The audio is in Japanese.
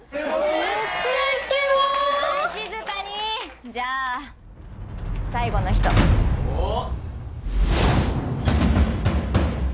めっちゃイケボはい静かにじゃあ最後の人・おおっ！